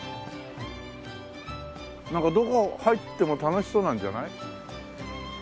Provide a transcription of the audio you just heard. なんかどこ入っても楽しそうなんじゃない？